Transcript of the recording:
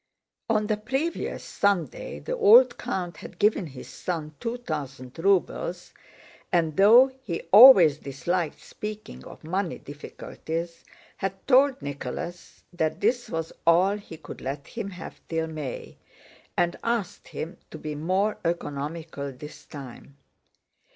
On the previous Sunday the old count had given his son two thousand rubles, and though he always disliked speaking of money difficulties had told Nicholas that this was all he could let him have till May, and asked him to be more economical this time.